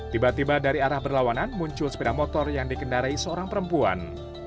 tiba tiba dari arah berlawanan muncul sepeda motor yang dikendarai seorang perempuan